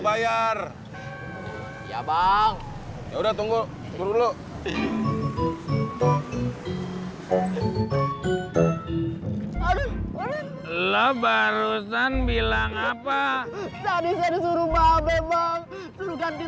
bayar ya bang ya udah tunggu dulu lo barusan bilang apa tadi suruh mbak mbak suruh ganti